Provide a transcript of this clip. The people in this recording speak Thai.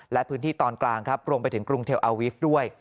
และพื้นที่ตอนกลางครับรวมไปถึงกรุงเทลอาวิฟต์ด้วย